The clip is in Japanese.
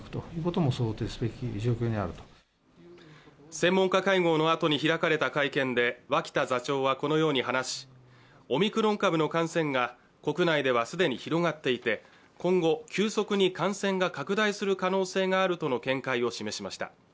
専門家会合のあとに開かれた会見で脇田座長はこのように話しオミクロン株の感染が国内では既に広がっていて今後、急速に感染が拡大する可能性があるとの見解を示しました。